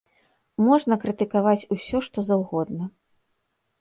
Можна крытыкаваць усё, што заўгодна.